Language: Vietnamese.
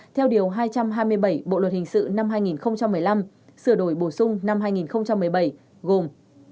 theo điều hai trăm hai mươi bảy bộ luật hình sự năm hai nghìn một mươi năm sửa đổi bổ sung năm hai nghìn một mươi bảy gồm